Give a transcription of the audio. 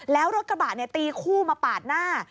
แล้วรถกระบะตีคู่มาปาดหน้า